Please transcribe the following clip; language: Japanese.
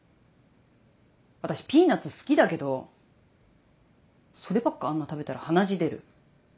私ピーナツ好きだけどそればっかあんな食べたら鼻血出る。